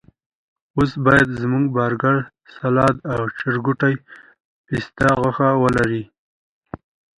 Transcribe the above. اوس باید زموږ برګر، سلاد او د چرګوټي پسته غوښه ولري.